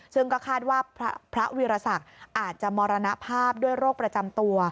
ซึ่งก็คาดว่าพระวีรศักดิ์อาจจะมรณภาพด้วยโรคประจำตัว